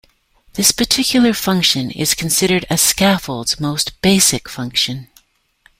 This particular function is considered a scaffold's most basic function.